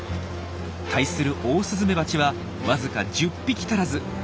対するオオスズメバチはわずか１０匹足らず。